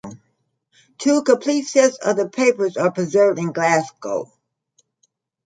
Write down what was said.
Two complete sets of the papers are preserved in Glasgow.